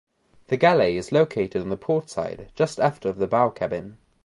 The galley is located on the port side just aft of the bow cabin.